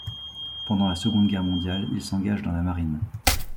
Pendant la Seconde Guerre mondiale, il s'engage dans la marine.